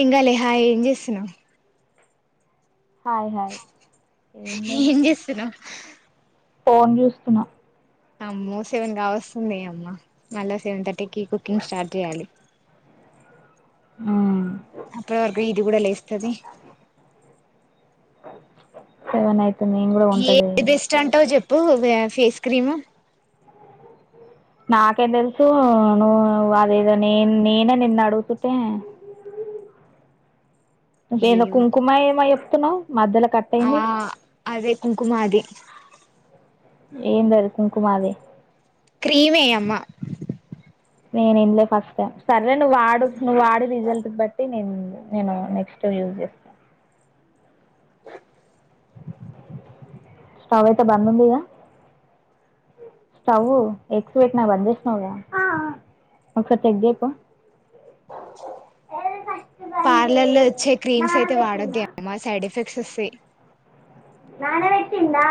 ఏంకాలే హాయ్ఏం చేస్తున్నావ్ hi hi ఏం లేదు ఫోన్ చూస్తున్నా అమ్మో సెవెన్ కావస్తుందీ అమ్మ మళ్ళా సెవెన్ థర్టీ కి కుకింగ్ స్టార్ట్ చేయాలి ఉమ్ అప్పటి వరకు ఇది కూడా లేస్తది సెవెన్అయితే ఏ బెస్ట్ అంటావ్ చెప్పు వా ఫేస్ క్రీమ్ నాకేం తెలుసూ నువ్ నువ్వు అదేదో నేన్ నేనే నిన్ను అడుగుతుంటే ఇంకొంధో ఏమో కుంకుమ ఎమో చెప్ తిన్నావ్ ఆ అదే కుంకుమ ది ఏందది కుంకుమా అది క్రీమే అమ్మా నేను ఇనలే ఫస్ట్ టైమ్ అదే నువ్వు వాడు నువ్వు వాడె రిజల్ట్ బట్టి నేను నేను నెక్స్ట్ యూజ్ చేస్త స్టవ్ అయితే బంద్ ఉందిగ స్టవ్ ఎగ్స్ పెట్టినా బంద్ చేసినావుగా ఒకసారి చెక్ చేయ్ పో పార్లర్ లో ఇచ్చే క్రీమ్స్ అయితే వాడొద్దె అమ్మా సైడ్ ఎఫెక్ట్ వస్తాయి నానబెట్టిందా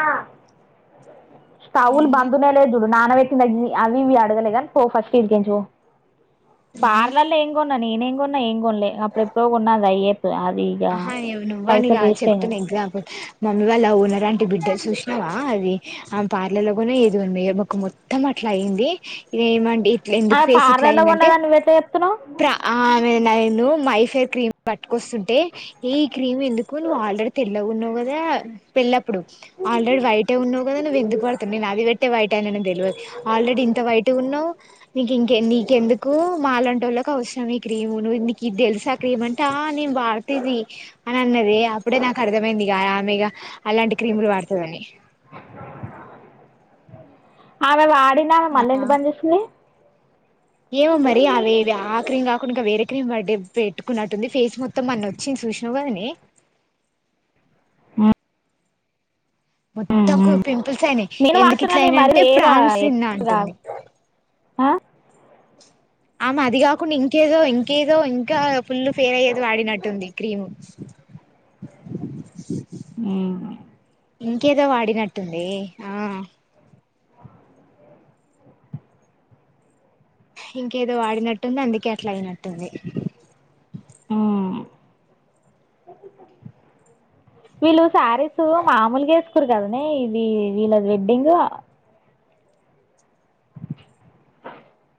కవ్లు బంద్ ఉన్నాయో లేదో చూడు నాన పెట్ అవి ఇవి అడగలేదు గాని పో ఫస్ట్ ఇడికెళ్ళి పో పార్లర్ లో ఏం కొన్న నేనే ఉన్నా ఏం కొ ఉలే అప్పుడు ఎప్పుడో కోన్నా గ ఎ ఆహా నేవు నువ్వు అని కా చెప్తున అయినాయి ఎగ్జాంపుల్ మమ్మీ ఇవాళ ఓనర్ ఆంటీ బిడ్డ చూసినవా అది ఆమె పార్లర్ కి పోదు ఏం కొనదు ఏదు ముక్కు మొత్తం అట్ల అయింది ఇ ఏమంటడి ఎందుకు ఆమె ఫేస్ ఇట్ల పార్లర్లో అయిందంటే కొన్నదని నువ్వు ఎట్లా చెప్తున్నావు ఆమే నేను మైఫర్ క్రీమ్ పట్టుకొస్తుంటే ఏ ఈ క్రీమ్ ఎందుకు నువ్వు ఆల్రెడీ తెల్లవున్నావు కదా పెళ్ళప్పుడు ఆల్రెడీ వైటే ఉన్నావు కద నువ్వు ఎందు వడుతు నేను అది పెట్ అ బయట అ తెలియదు ఆల్రెడీ ఇంత బయట ఉన్నావు నీకు ఇంక నీకెందుకు మాలాంటి వాళ్ళకి అవసరం ఈ క్రీమ్ క తెల్సా క్రీమ్ అంటే ఆ నేను వాడుత ది అని అన్నది అప్పుడే నాకు అర్థమైంది ఇగ ఆమెగ అలాంటి క్రీములు వాడుతదని ఆమే వాడ పడినా మళ్ళ ఎందుకు బంద చేస్తుంది ఏమో మరి అవేవి ఆ క్రీమ్ ఇనుక వేరే క్రీమ్ బర్డే పెట్టుకున్నట్టుంది ఫేస్ మొత్తం మన్న వచ్చింది చూసినావు కదనే ఆ మొత్తం పింపుల్స్ అయినాయి నేను ఎందుకు ఇట్లా వాడుతున్నానే అయిన మరి అంటే వేరా ప్రాన్స్ తిన్నా అంటుంది అ ఆమ అది కాకుండా ఇంకేదో ఇంకేదో ఇంకా ఫుల్లు ఫేల్ అయ్యేది వాడినట్టుంది క్రీము ఇంకేదో వాడినట్టు ంది ఆ ఇంకేదో వాడినట్టుంది అందుకే అట్ల అయినట్టుంది హమ్ వీళ్ళు శారీస్ మామలుగా వేసుకురు కదనే ఇది వీళ్ళది వెడ్డింగ్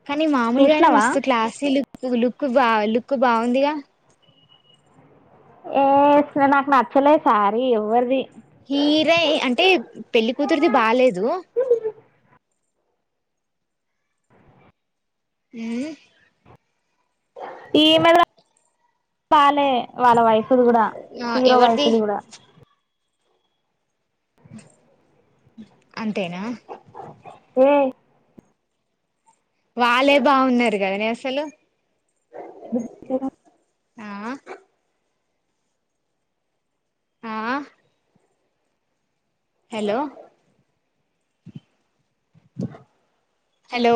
కానీ మామూలుగాయినా చూసినావా మస్తు క్లాసీలు లుక్ లుక్ బా లుక్ బాగుందిగా ఏ నాకు నచ్చలేదు సారీ ఎవ్వరిది హీరె అంటే పెళ్లికూతురిది బాలేేదు అ ఈ ఈమెయిల్ [unintelligible] బాలే వాళ్ళ వైఫ్ ది కూడా ఆ హీరో వైఫ్ ఎవరిది ది కూడా [unintelligible] అంతేనా ఏ వాళ్ళే బాగున్నారు కద నె అసలు ఎ [unintelligible] ఆ ఆ హలో హలో